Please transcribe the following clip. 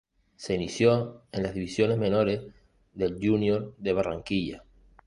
Se inició en las divisiones menores del Junior de Barranquilla.